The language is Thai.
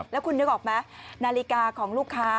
แล้วคุณนึกออกไหมนาฬิกาของลูกค้า